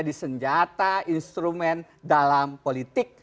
di senjata instrumen dalam politik